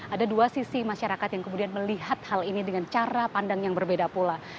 ada dua sisi masyarakat yang kemudian melihat hal ini dengan cara pandang yang berbeda pula